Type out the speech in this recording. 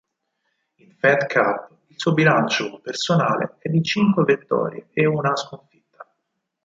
In Fed Cup il suo bilancio personale è di cinque vittorie e una sconfitta.